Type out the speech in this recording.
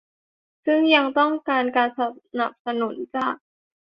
ซึ่งยังต้องการการสนับสนุนจาก